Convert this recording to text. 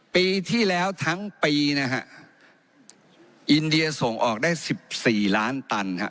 ปีที่แล้วทั้งปีนะฮะอินเดียส่งออกได้๑๔ล้านตันฮะ